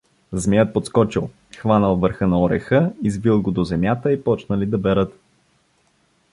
Змеят подскочил, хванал върха на ореха, извил го до земята и почнали да берат.